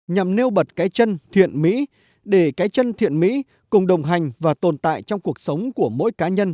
nhằm nêu bật cái chân thiện mỹ để cái chân thiện mỹ cùng đồng hành và tồn tại trong cuộc sống của mỗi cá nhân